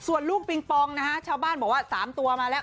ส่วนลูกปิงปองนะฮะชาวบ้านบอกว่า๓ตัวมาแล้ว